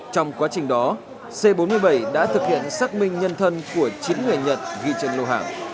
trong quá trình đó c bốn mươi bảy đã thực hiện xác minh nhân thân của chín người nhận ghi trên lô hàng